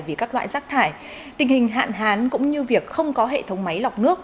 vì các loại rác thải tình hình hạn hán cũng như việc không có hệ thống máy lọc nước